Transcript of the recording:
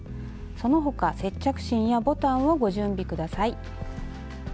その他接着芯やボタンをご準備下さい。